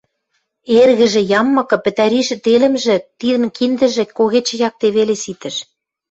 Эргӹжӹ яммыкы, пӹтӓришӹ телӹмжӹ тидӹн киндӹжӹ когечӹ якте веле ситӹш.